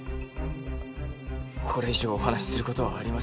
これ以上お話しすることはありません